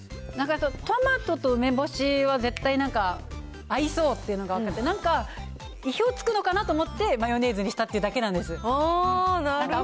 トマトと梅干しは絶対なんか、合いそうっていうのが分かって、なんか意表を突くのかなと思って、マヨネーズにしたってだけなんです。